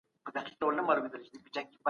آيا بې وزلي د دې لامل کيدای سي؟